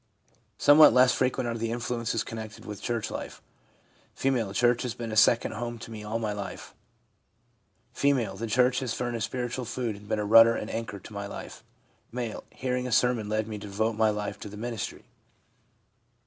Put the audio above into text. Somewhat less frequent are the influences connected with church life. F. ' Church has been a second home to me all my life.' F. * The church has furnished spiritual food, and been a rudder and anchor to my life.' M. 'Hearing a sermon led me to devote my life to the ministry.'